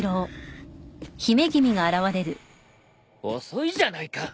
遅いじゃないか！